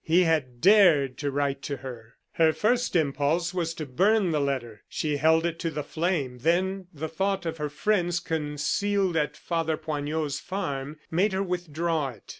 He had dared to write to her! Her first impulse was to burn the letter; she held it to the flame, then the thought of her friends concealed at Father Poignot's farm made her withdraw it.